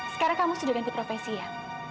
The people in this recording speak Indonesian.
sekarang kamu sudah ganti profesi ya